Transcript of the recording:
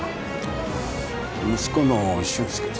息子の俊介です。